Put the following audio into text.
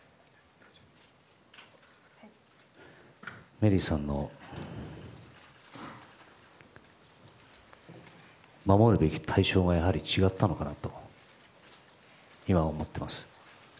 メリーさんの守るべき対象がやはり違ったのかなと今は思っています。